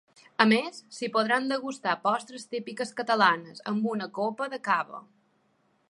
A més, s’hi podran degustar postres típiques catalanes, amb una copa de cava.